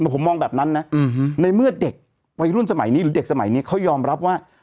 เขาสื่มสถา